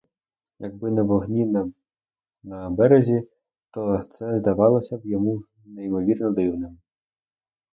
Якби не вогні, на березі, то це здавалося б йому неймовірно дивним.